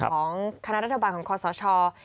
ของคณะรัฐบาลของความสอดชอบ